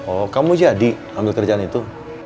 oh kamu jadi ambil kerjaan itu